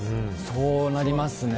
そうなりますね。